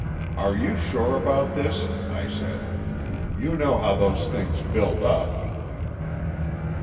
"Are you sure about this?" I said. "You know how those things build up."